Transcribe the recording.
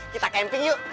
kita camping yuk